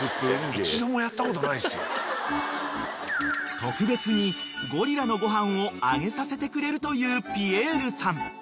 ［特別にゴリラのご飯をあげさせてくれるというピエールさん］